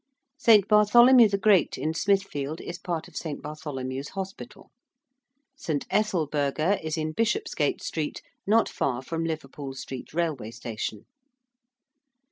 ~St. Bartholomew the Great~ in Smithfield is part of St. Bartholomew's Hospital. ~St. Ethelburga~ is in Bishopsgate Street, not far from Liverpool Street Railway Station.